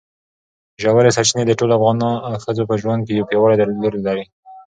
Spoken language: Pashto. ژورې سرچینې د ټولو افغان ښځو په ژوند کې یو پیاوړی رول لري.